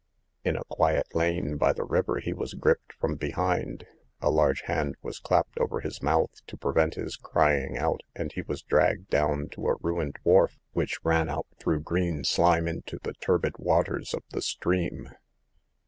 In a quiet lane by the river he was gripped from behind ; a large hand was clapped over his mouth to prevent his crying out, and he was dragged down on to a ruined wharf which ran out through green slime into the turbid waters of the stream.